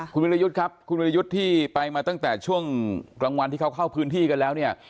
คุณวิรยุทธ์ครับคุณวิรยุทธ์ที่ไปมาตั้งแต่ช่วงกลางวันที่เขาเข้าพื้นที่กันแล้วเนี่ย